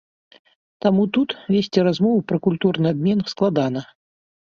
Таму тут весці размову пра культурны абмен складана.